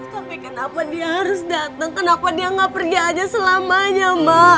tapi kenapa dia harus dateng kenapa dia gak pergi aja selamanya ma